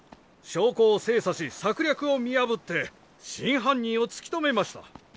証拠を精査し策略を見破って真犯人を突き止めました。